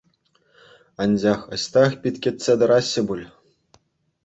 Анчах ӑҫтах пит кӗтсе тӑраҫҫӗ пуль?